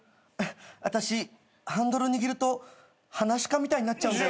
あたしハンドル握るとはなし家みたいになっちゃうんだよ。